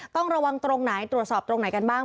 ต้องระวังตรงไหนตรวจสอบตรงไหนกันบ้าง